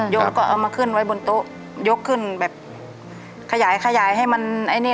ยกคืนขยายให้มันตรงไม่เสีย